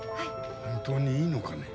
本当にいいのかね？